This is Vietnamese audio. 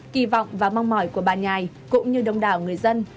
kỳ vọng và mong mỏi của bà nhài cũng như đông đảo người dân